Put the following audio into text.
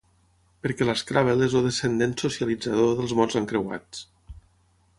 Perquè l'Scrabble és el descendent socialitzador dels mots encreuats.